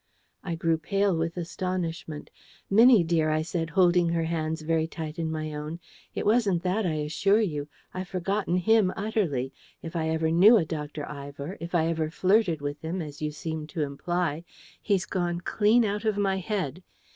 I grew pale with astonishment. "Minnie dear," I said, holding her hands very tight in my own, "it wasn't that, I assure you. I've forgotten him, utterly. If ever I knew a Dr. Ivor, if ever I flirted with him, as you seem to imply, he's gone clean out of my head.